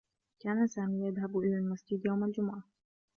كان سامي يذهب إلى المسجد يوم الجمعة.